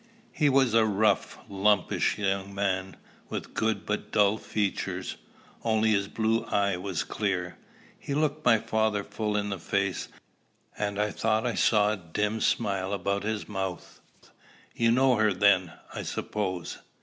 He was a rough, lumpish young man, with good but dull features only his blue eye was clear. He looked my father full in the face, and I thought I saw a dim smile about his mouth. "You know her, then, I suppose?"